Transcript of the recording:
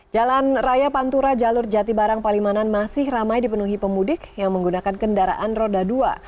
jalan raya pantura jalur jatibarang palimanan masih ramai dipenuhi pemudik yang menggunakan kendaraan roda dua